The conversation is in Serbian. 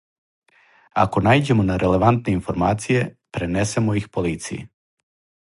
Ако наиђемо на релевантне информације, пренесемо их полицији.